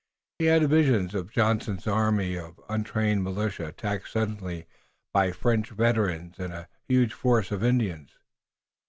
He had visions of Johnson's army of untrained militia attacked suddenly by French veterans and a huge force of Indians.